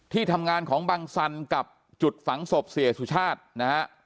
ที่ทำงานของบังสันกับจุดฝังศพเสียสุชาตินะฮะ